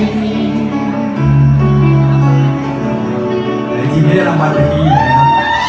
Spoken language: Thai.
และที่ไม่ได้รับมาร์ทพิธีอีกแล้วนะ